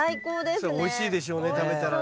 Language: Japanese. それおいしいでしょうね食べたらね。